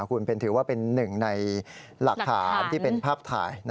คุณถือว่าเป็นหนึ่งในหลักฐานที่เป็นภาพถ่าย